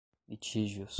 litígios